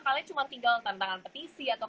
kalian cuma tinggal tantangan petisi atau